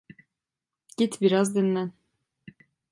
Git biraz dinlen.